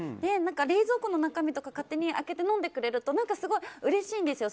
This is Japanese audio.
冷蔵庫の中身とか勝手に開けて飲んでくれるとすごくうれしいんですよ。